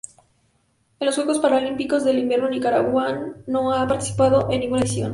En los Juegos Paralímpicos de Invierno Nicaragua no ha participado en ninguna edición.